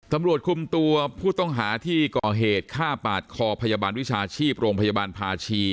ตำรวจคุมตัวผู้ต้องหาที่ก่อเหตุฆ่าปาดคอพยาบาลวิชาชีพโรงพยาบาลภาชี